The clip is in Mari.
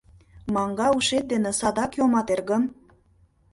— Маҥга ушет дене садак йомат, эргым.